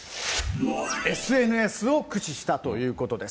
ＳＮＳを駆使したということです。